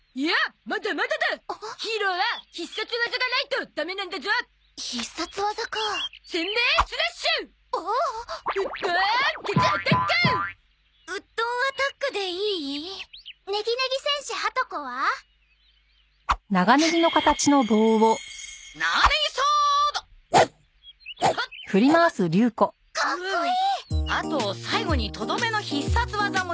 あと最後にとどめの必殺技も必要だよな。